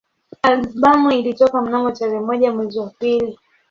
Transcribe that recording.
Albamu ilitoka mnamo tarehe moja mwezi wa pili